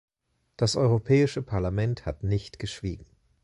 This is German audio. Das Europäische Parlament hat nicht geschwiegen.